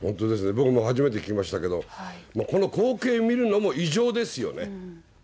僕も初めて聞きましたけど、この光景見るのも、異常ですよね。